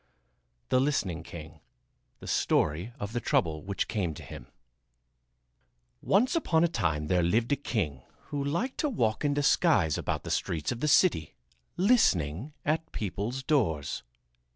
THE LISTENING KING The Story of the Trouble Which Came to Him Once upon a time there lived a king who liked to walk in disguise about the streets of the city, listening at people's doors.